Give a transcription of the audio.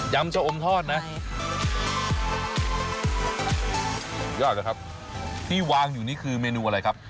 เจ้าอมทอดนะสุดยอดนะครับที่วางอยู่นี่คือเมนูอะไรครับ